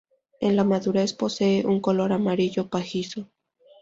En la madurez posee un color amarillo pajizo.